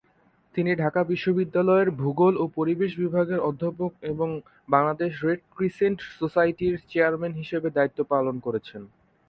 তিনি ঢাকা বিশ্ববিদ্যালয়ের ভূগোল ও পরিবেশ বিভাগের অধ্যাপক এবং বাংলাদেশ রেড ক্রিসেন্ট সোসাইটির চেয়ারম্যান হিসাবে দায়িত্ব পালন করেছেন।